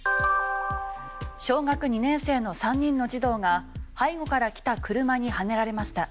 小学２年生の３人の児童が背後から来た車にはねられました。